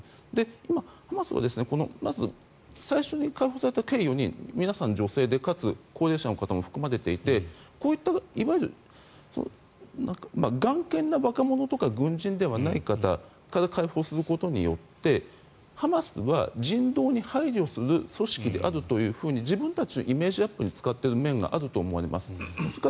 今、ハマスがまず最初に解放された計４人、皆さん女性でかつ高齢者の方も含まれていて頑健な若者とか軍人ではない方から解放することによってハマスは人道に配慮する組織であると自分たちのイメージアップに使っている面があると思われますか。